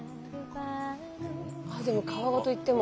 でも皮ごといっても。